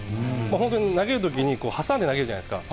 本当に投げるときに挟んで投げるじゃないですか。